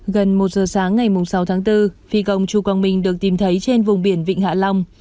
gần một giờ sáng ngày sáu tháng bốn phi công chú quang minh được tìm thấy trên vùng biển vịnh hạ long